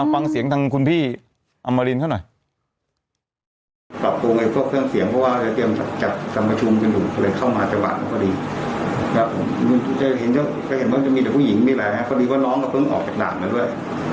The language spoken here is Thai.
ฟังเสียงทางคุณพี่อำมารินเขาหน่อย